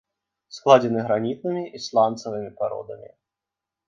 Складзены гранітнымі і сланцавымі пародамі.